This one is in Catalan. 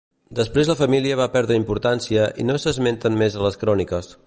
Després la família va perdre importància i no s'esmenten més a les cròniques.